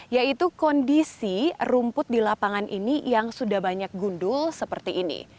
yaitu kondisi rumput di lapangan ini yang sudah banyak gundul seperti ini